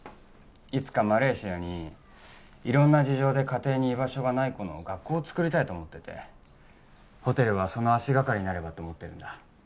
いつかマレーシアに色んな事情で家庭に居場所がない子の学校をつくりたいと思っててホテルはその足がかりになればと思ってるんだ